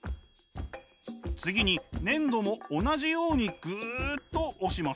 次に粘土も同じようにグッと押します。